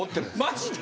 マジで？